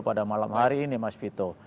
pada malam hari ini mas vito